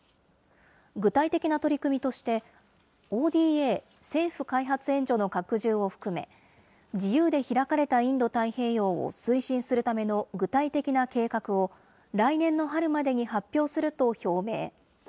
具体的な取り組みとして、ＯＤＡ・政府開発援助の拡充を含め、自由で開かれたインド太平洋を推進するための具体的な計画を、来年の春までに発表すると表明。